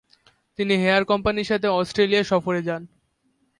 তিনি হেয়ার কোম্পানির সাথে অস্ট্রেলিয়া সফরে যান।